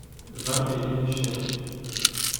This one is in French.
vingt et une chiennes.